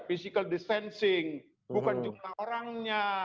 physical distancing bukan jumlah orangnya